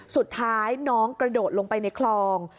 สุดท้ายน้องกระโดดลงไปในคลอง